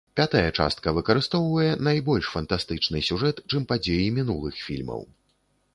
Пятая частка выкарыстоўвае найбольш фантастычны сюжэт, чым падзеі мінулых фільмаў.